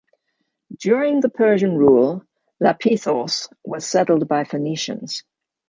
During the Persian rule, Lapithos was settled by Phoenicians.